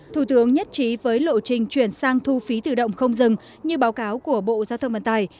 thủ tướng nhất trí với lộ trình chuyển sang thu phí tự động không dừng như báo cáo của bộ giao thông vận tải